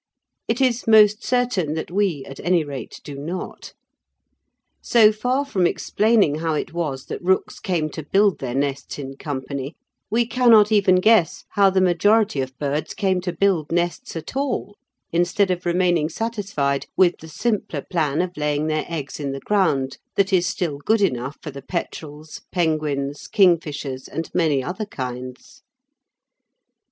It is most certain that we, at any rate, do not. So far from explaining how it was that rooks came to build their nests in company, we cannot even guess how the majority of birds came to build nests at all, instead of remaining satisfied with the simpler plan of laying their eggs in the ground that is still good enough for the petrels, penguins, kingfishers, and many other kinds.